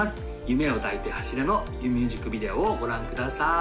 「夢を抱いて走れ」のミュージックビデオをご覧ください